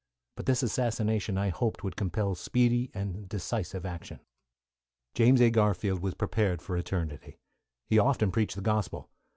But this assassination I hoped would compel speedy and decisive action. James A. Garfield was prepared for eternity. He often preached the Gospel.